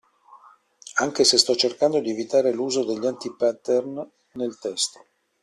Anche se sto cercando di evitare l'uso degli anti-pattern nel testo.